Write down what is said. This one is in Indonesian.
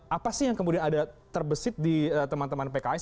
apa sih yang kemudian ada terbesit di teman teman pks